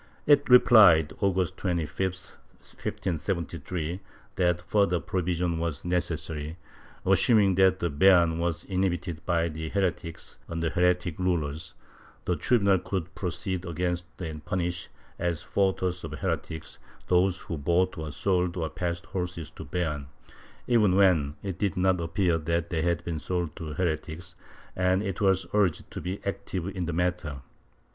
It replied, August 25, 1573, that further provision was necessary ; assuming that Beam was inhab ited by heretics under heretic rulers, the tribunal could proceed against and punish, as fautors of heretics, those who bought or sold or passed horses to Beam, even when it did not appear that they had been sold to heretics, and it was urged to be active in the matter.